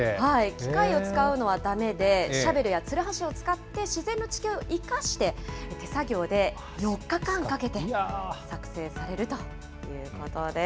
機械を使うのはだめで、シャベルやつるはしを使って、自然の地形を生かして、手作業で４日間かけて作製されるということです。